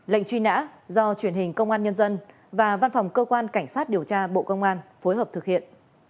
lệnh truy nã do truyền hình công an nhân dân và văn phòng cơ quan cảnh sát điều tra bộ công an phối hợp thực hiện